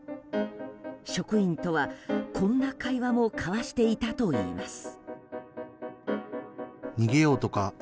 職員とは、こんな会話も交わしていたといいます。